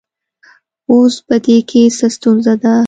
اوس په دې کې څه ستونزه ده